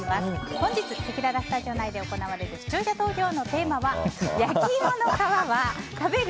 本日、せきららスタジオ内で行われる視聴者投票のテーマは焼きいもの皮は食べる？